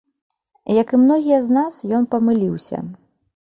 Як і многія з нас, ён памыліўся.